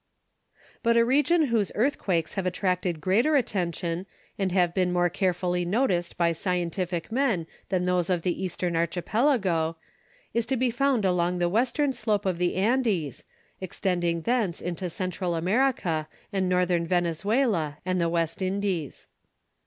But a region whose earthquakes have attracted greater attention, and have been more carefully noticed by scientific men than those of the eastern archipelago, is to be found along the western slope of the Andes, extending thence into Central America and Northern Venezuela and the West Indies.